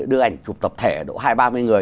đưa ảnh chụp tập thể độ hai ba mươi người